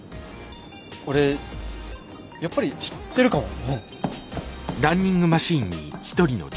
俺やっぱり知ってるかも。